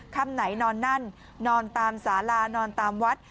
ค่ำไหนนอนนั่นนอนตามสาลานอนตามวัด